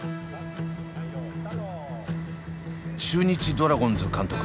中日ドラゴンズ監督